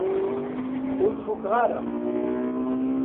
Ur fukeɣ ara.